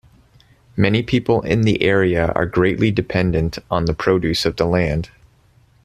Many people in the area are greatly dependent on the produce of the land.